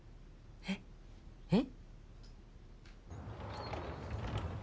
あっえっ？